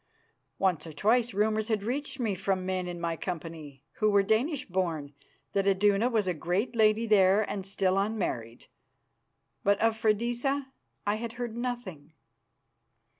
Once or twice rumours had reached me from men in my company, who were Danish born, that Iduna was a great lady there and still unmarried. But of Freydisa I had heard nothing.